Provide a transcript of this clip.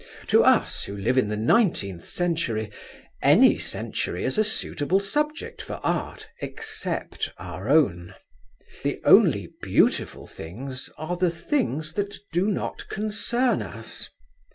To us, who live in the nineteenth century, any century is a suitable subject for art except our own. The only beautiful things are the things that do not concern us.